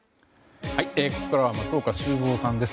ここからは松岡修造さんです。